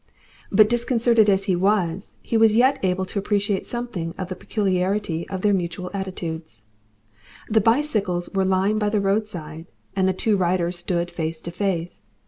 But disconcerted as he was, he was yet able to appreciate something of the peculiarity of their mutual attitudes. The bicycles were lying by the roadside, and the two riders stood face to face.